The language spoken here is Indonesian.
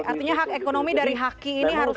artinya hak ekonomi dari haki ini harus